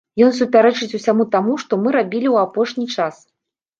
Ён супярэчыць усяму таму, што мы рабілі ў апошні час.